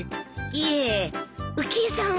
いえ浮江さんは？